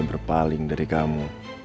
berpaling dari kamu